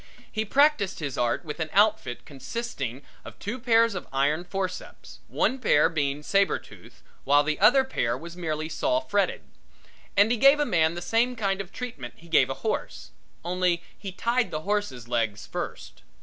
He practiced his art with an outfit consisting of two pairs of iron forceps one pair being saber toothed while the other pair was merely saw fretted and he gave a man the same kind of treatment he gave a horse, only he tied the horse's legs first.